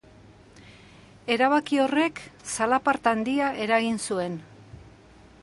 Erabaki horrek zalaparta handia eragin zuen.